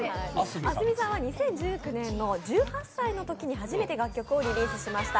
ａｓｍｉさんは２０１９年１８歳で初めて楽曲をリリースしました。